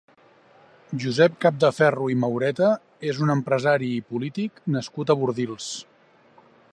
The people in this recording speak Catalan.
Josep Capdeferro i Maureta és un empresari i polític nascut a Bordils.